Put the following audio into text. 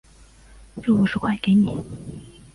这五十块给你